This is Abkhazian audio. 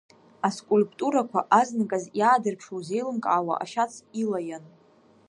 Аскульптурақәа, азныказ иаадырԥшуа узеилымкаауа, ашьац илаиан.